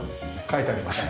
書いてあります。